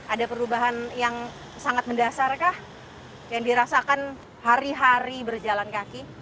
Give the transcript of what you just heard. ada perubahan yang sangat mendasarkah yang dirasakan hari hari berjalan kaki